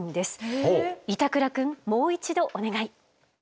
板倉くんもう一度お願い。